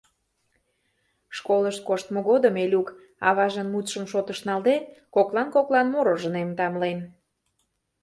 Школыш коштмо годым Элюк, аважын мутшым шотыш налде, коклан-коклан мороженыйым тамлен.